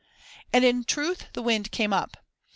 And in truth the wind came up.